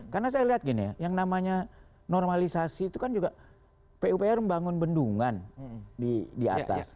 karena saya lihat gini ya yang namanya normalisasi itu kan juga pupr membangun bendungan di atas